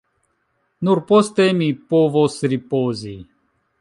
Nur poste mi povos ripozi.